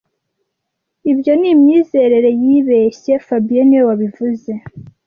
Ibyo ni imyizerere yibeshye fabien niwe wabivuze